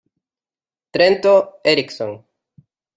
Trento: Erickson.